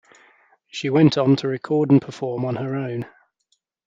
She went on to record and perform on her own.